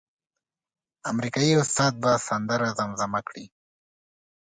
امریکایي استاد به سندره زمزمه کړي.